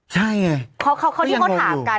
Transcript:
ใช่ไงก็ยังมอยอยู่